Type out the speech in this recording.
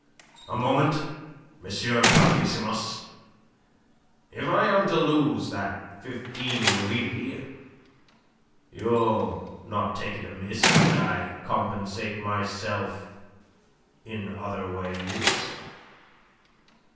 "A moment, M. Parvissimus. If I am to lose that fifteen louis... you'll not take it amiss that I compensate myself in other ways?"